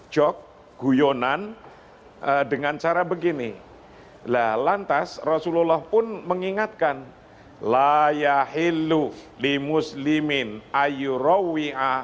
jog guyonan dengan cara begini lantas rasulullah pun mengingatkan layahilluh limuslimin ayurawiya